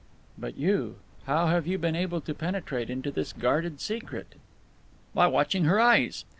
"But you, how have you been able to penetrate into this guarded secret?" "By watching her eyes.